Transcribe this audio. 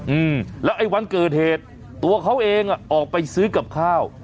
อืมแล้วไอ้วันเกิดเหตุตัวเขาเองอ่ะออกไปซื้อกับข้าว